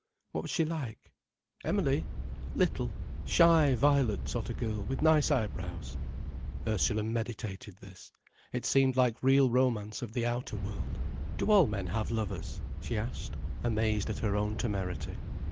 "What was she like?" "Emily? Little, shy violet sort of girl with nice eyebrows." Ursula meditated this. It seemed like real romance of the outer world. "Do all men have lovers?" she asked, amazed at her own temerity.